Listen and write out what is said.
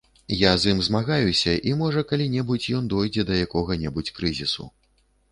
Я з ім змагаюся, і, можа, калі-небудзь ён дойдзе да якога-небудзь крызісу.